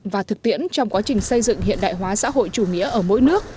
và thực tiễn trong quá trình xây dựng hiện đại hóa xã hội chủ nghĩa ở mỗi nước